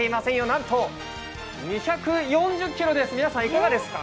なんと２４０キロです、皆さんいかがですか？